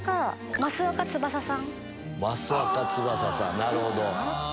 なるほど。